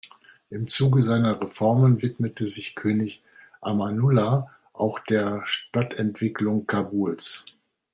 Im Zuge seiner Reformen widmete sich König Amanullah auch der Stadtentwicklung Kabuls.